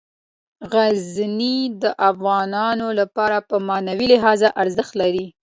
غزني د افغانانو لپاره په معنوي لحاظ ارزښت لري.